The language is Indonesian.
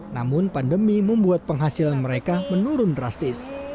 namun pandemi membuat penghasilan mereka menurun drastis